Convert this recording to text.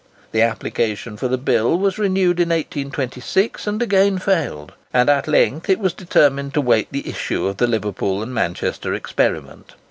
The application for the bill was renewed in 1826, and again failed; and at length it was determined to wait the issue of the Liverpool and Manchester experiment.